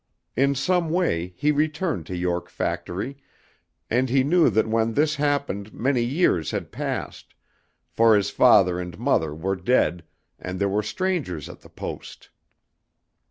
In some way he returned to York Factory, and he knew that when this happened many years had passed, for his father and mother were dead, and there were strangers at the Post.